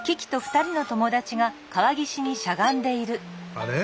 あれ？